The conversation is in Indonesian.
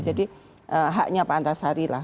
jadi haknya pak antasari lah